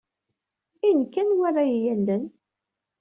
I nekk, anwa ara iyi-yallen?